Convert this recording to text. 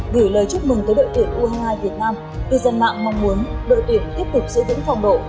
gửi lời chúc mừng tới đội tuyển u hai mươi hai việt nam cư dân mạng mong muốn đội tuyển tiếp tục giữ vững phong độ